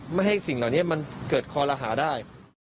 ไม่ให้สิ่งเหล่านี้มันเกิดคอรหาได้